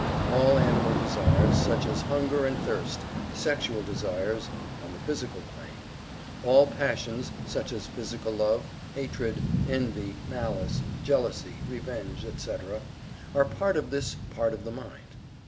All animal desires, such as hunger and thirst; sexual desires (on the physical plane); all passions, such as physical love; hatred; envy; malice; jealousy; revenge, etc., are part of this part of the mind.